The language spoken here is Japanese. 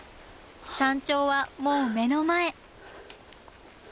山頂はもう目の前。